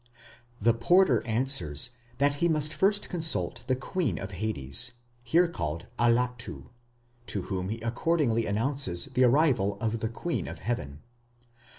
The porter answers that he must first consult the Queen of Hades, here called Allatu, to whom he accordingly announces the arrival of the Queen of Heaven.